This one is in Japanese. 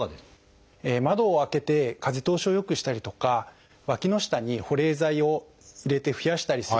窓を開けて風通しをよくしたりとかわきの下に保冷剤を入れて冷やしたりする。